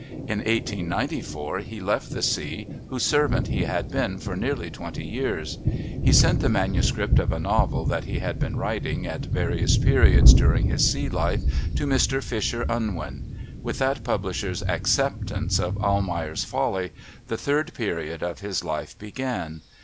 In 1894 he left the sea, whose servant he had been for nearly twenty years: he sent the manuscript of a novel that he had been writing at various periods during his sea life to Mr Fisher Unwin. With that publisher's acceptance of Almayer's Folly the third period of his life began.